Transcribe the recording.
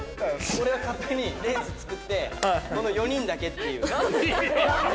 俺は勝手にレース作って、この４人だけっていう。